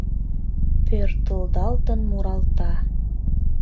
Пӧртылдалтын муралта;